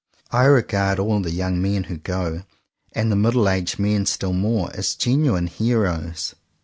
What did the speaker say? I regard all the young men who go, and the middle aged men still more, as genuine heroes.